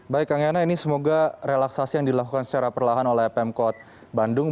baik kang yana ini semoga relaksasi yang dilakukan secara perlahan oleh pemkot bandung